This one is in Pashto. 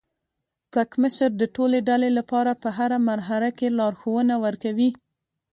پړکمشر د ټولې ډلې لپاره په هره مرحله کې لارښوونه ورکوي.